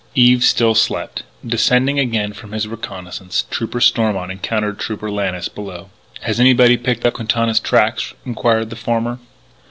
Eve still slept. Descending again from his reconnaissance, Trooper Stormont encountered Trooper Lannis below. "Has anybody picked up Quintana's tracks?" inquired the former.